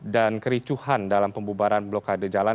dan kericuhan dalam pembubaran blokade jalan